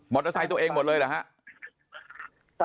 เตอร์ไซค์ตัวเองหมดเลยเหรอครับ